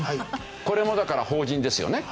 これもだから法人ですよね。